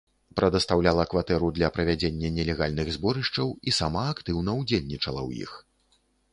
Прадастаўляла кватэру для правядзення нелегальных зборышчаў і сама актыўна ўдзельнічала ў іх.